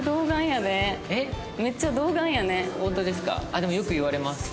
あっでもよく言われます。